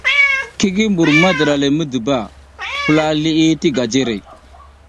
Ki gi mbur madiɗa le ngidiba, pula liʼi ti gajere.